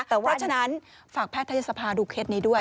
เพราะฉะนั้นฝากแพทยศพาดูเคสนี้ด้วย